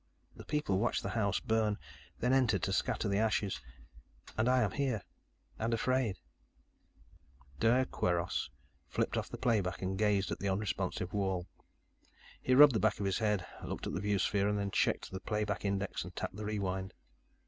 "The people watched the house burn, then entered, to scatter the ashes. "And I am here, and afraid." Doer Kweiros flipped off the playback and gazed at the unresponsive wall. He rubbed the back of his head, looked at the viewsphere, then checked the playback index and tapped the rewind.